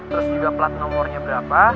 terus juga plat nomornya berapa